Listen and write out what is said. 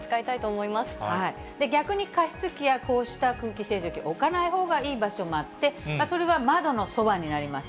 逆に加湿器やこうした空気清浄機、置かないほうがいい場所もあって、それは窓のそばになります。